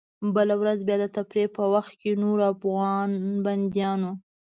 بله ورځ بیا د تفریح په وخت کې نورو افغان بندیانو.